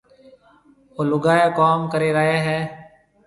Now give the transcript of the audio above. او لُگائي ڪوم ڪري رئي هيَ۔